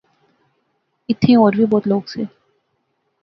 ایتھیں ہور وی بہوں لوک سے